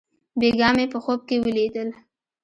بېګاه مې په خوب کښې وليدل.